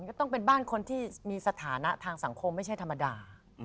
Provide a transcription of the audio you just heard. ก็ต้องเป็นบ้านคนที่มีสถานะทางสังคมไม่ใช่ธรรมดา